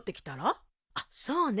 あっそうね。